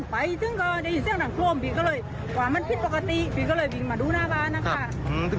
พี่หวานมันพี่ปกติไงพี่ก็เลยวิ่งมาดู